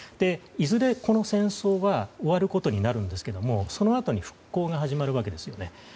いずれこの戦争は終わることになるんですがそのあとに復興が始まるわけですね。